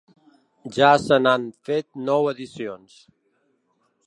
Ja se n’han fet nou edicions.